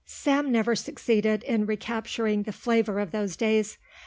Sam never succeeded in recapturing the flavour of those days.